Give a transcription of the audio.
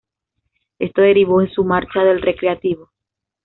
Esto derivó en su marcha del Recreativo.